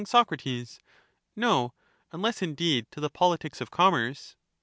Soc, No ; unless, indeed, to the politics of commerce.